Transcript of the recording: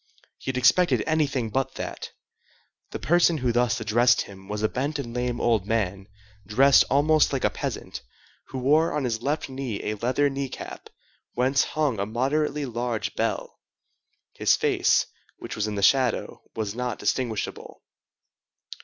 He had expected anything but that. The person who thus addressed him was a bent and lame old man, dressed almost like a peasant, who wore on his left knee a leather knee cap, whence hung a moderately large bell. His face, which was in the shadow, was not distinguishable.